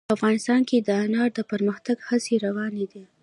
افغانستان کې د انار د پرمختګ هڅې روانې دي.